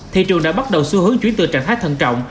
thị trường đã bắt đầu xu hướng chuyển từ trạng thái thân trọng